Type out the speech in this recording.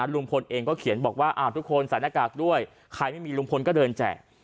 ลุงพลเองก็เขียนบอกว่าทุกคนใส่หน้ากากด้วยใครไม่มีลุงพลก็เดินแจก